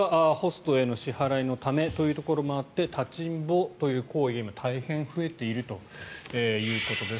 ホストへの支払いのためというところもあって立ちんぼという行為が今大変増えているということです。